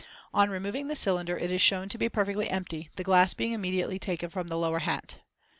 On removing the cylinder it is shown to be perfectly empty, the glass being immediately taken from the lower hat.